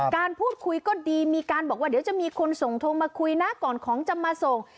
การพูดคุยก็ดีมีการบอกว่าเดี๋ยวจะมีคนส่งโทรมาคุยนะก่อนของจะมาส่ง